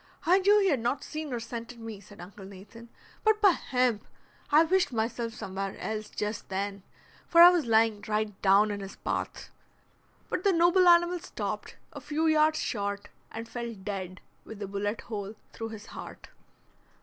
"I knew he had not seen or scented me," said Uncle Nathan, "but, by hemp, I wished myself somewhere else just then; for I was lying right down in his path." But the noble animal stopped, a few yards short, and fell dead with a bullet hole through his heart.